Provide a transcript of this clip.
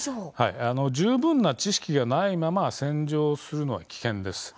十分な知識がないまま洗浄すると危険です。